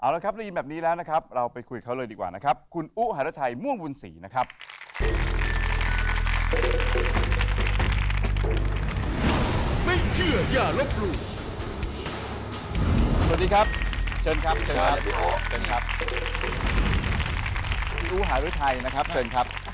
เอาล่ะครับได้ยินแบบนี้แล้วเราไปคุยกันหน่อยก่อน